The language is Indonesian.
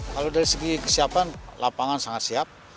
kalau dari segi kesiapan lapangan sangat siap